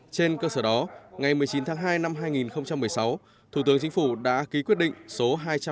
trên cơ sở đó ngày một mươi chín tháng hai năm hai nghìn một mươi sáu thủ tướng chính phủ đã ký quyết định số hai trăm sáu mươi